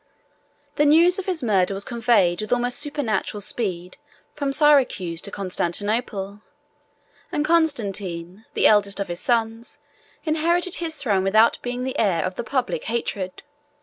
The news of his murder was conveyed with almost supernatural speed from Syracuse to Constantinople; and Constantine, the eldest of his sons, inherited his throne without being the heir of the public hatred.